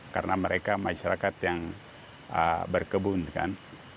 karena mereka masyarakat yang berkebun kan